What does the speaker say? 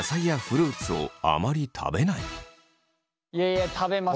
いやいや食べます。